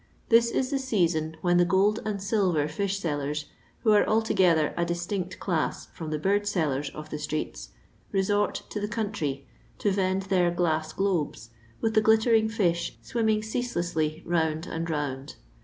This is the season when the gold and silver fish sellen, who are altogether a distinct class from the bird sellers of the streets, resort to the country, to vend their gUiss globes, with the glittering fish swimming ceaselessly round and round.